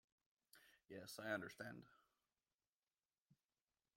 Yes, I understand.